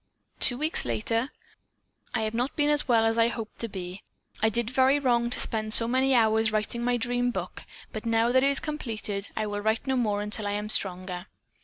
"Two weeks later: 'I have not been as well as I had hoped to be. I did very wrong to spend so many hours writing my dream book, but now that it is completed I will write no more until I am stronger.